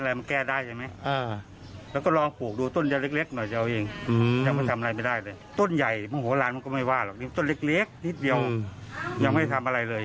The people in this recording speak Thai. แล้วจะทำอย่างไร